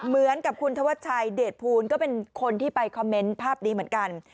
เหมือนกับคุณธวัชชัยเดชภูลก็เป็นคนที่ไปคอมเมนต์ภาพนี้เหมือนกัน